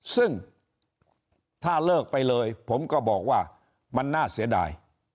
ซึ่งถ้าเลิกไปเลยผมก็บอกว่ามันน่าเสียดาย